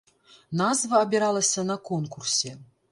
Назва абіралася на конкурсе.